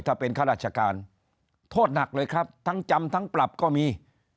ถ้าเป็นข้าราชการโทษหนักเลยครับทั้งจำทั้งปรับก็มี